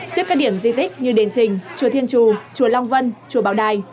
trước các điểm di tích như đền trình chùa thiên chù chùa long vân chùa bảo đài